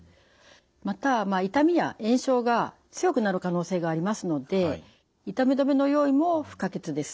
また痛みや炎症が強くなる可能性がありますので痛み止めの用意も不可欠です。